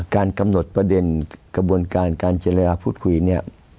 การกำหนดประเด็นกระบวนการการเจรจาพูดคุยเนี่ย